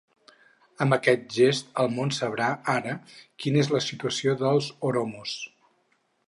Amb aquest gest el món sabrà ara quina és la situació dels oromos.